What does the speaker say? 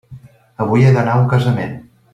Avui he d'anar a un casament.